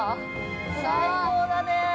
◆最高だね。